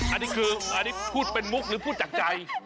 อันนี้คืออันนี้พูดเป็นมุกหรือพูดจากใจ